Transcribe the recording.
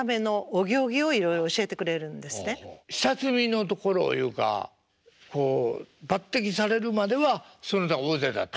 下積みのところいうかこう抜てきされるまではその他大勢だったんですか？